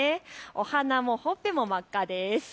お鼻もほっぺも真っ赤です。